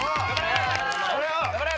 頑張れ！